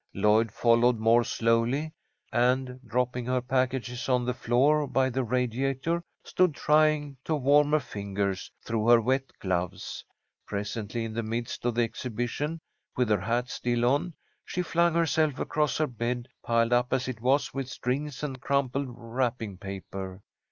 Lloyd followed more slowly, and, dropping her packages on the floor by the radiator, stood trying to warm her fingers through her wet gloves. Presently, in the midst of the exhibition, with her hat still on, she flung herself across her bed, piled up as it was with strings and crumpled wrapping paper.